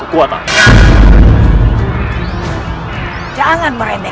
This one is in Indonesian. aku tidak percaya